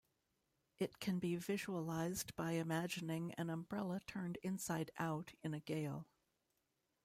It can be visualized by imagining an umbrella turned inside-out in a gale.